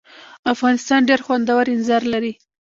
افغانستان ډېر خوندور اینځر لري.